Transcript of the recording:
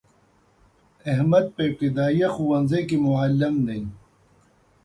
احمد په ابتدایه ښونځی کی معلم دی.